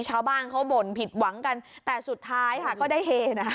ชาวบ้านเขาบ่นผิดหวังกันแต่สุดท้ายค่ะก็ได้เฮนะคะ